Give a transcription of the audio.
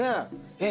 えっ！？